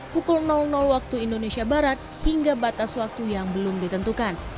pukul waktu indonesia barat hingga batas waktu yang belum ditentukan